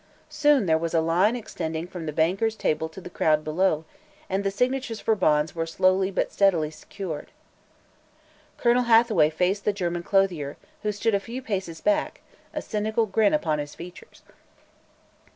Soon there was a line extending from the banker's table to the crowd below, and the signatures for bonds were slowly but steadily secured. Colonel Hathaway faced the German clothier, who stood a few paces back, a cynical grin upon his features.